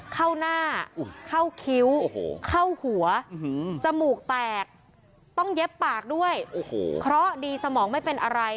เข้าหน้าเข้าคิ้วเข้าหัวจมูกแตกต้องเย็บปากด้วยโอ้โหเคราะห์ดีสมองไม่เป็นอะไร